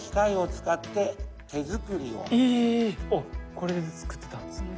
これで作ってたんですね。